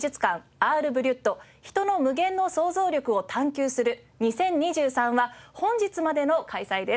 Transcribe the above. アール・ブリュット人の無限の創造力を探求する２０２３」は本日までの開催です。